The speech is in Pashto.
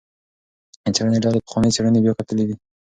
د څیړنې ډلې پخوانۍ څیړنې بیا کتلي دي.